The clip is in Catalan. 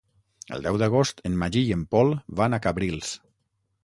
El deu d'agost en Magí i en Pol van a Cabrils.